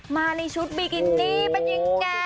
มาในชุดบิกินี่เป็นยังไง